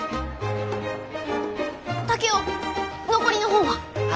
竹雄残りの本は？